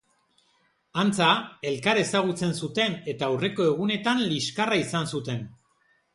Antza, elkar ezagutzen zuten eta aurreko egunetan liskarra izan zuten.